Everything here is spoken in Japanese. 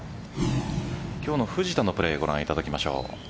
今日の藤田のプレーをご覧いただきましょう。